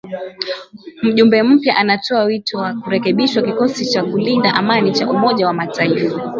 Mjumbe mpya anatoa wito wa kurekebishwa kikosi cha kulinda amani cha umoja wa mataifa